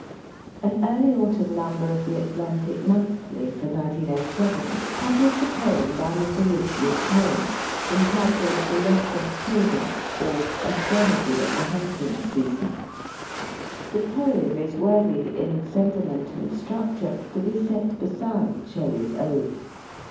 An early autumn number, of the Atlantic Monthly for 1907 published a poem by Mr. Ridgley Torrence, entitled "The Lesser Chil dren," or " A Threnody at the Hunting Sea son." The poem is worthy, in sentiment and structure, to be set beside Shelley's ode.